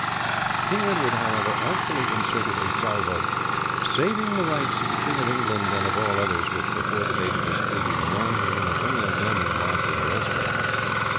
"King Edward, however, artfully inserted a salvo, 'saving the rights of the King of England and of all others which before the date of this treaty belong to him or any of them in the marches or elsewhere.'